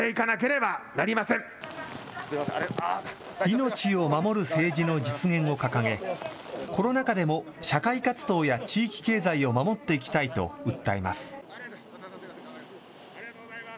命を守る政治の実現を掲げ、コロナ禍でも社会活動や地域経済を守っていきたいと訴えます。